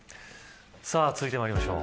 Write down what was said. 続いてまいりましょう。